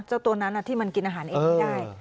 เจ้าตัวนั้นที่มันกินอาหารเองไม่ได้